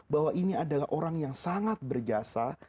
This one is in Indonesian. bahwa ini adalah orang yang sangat berjasa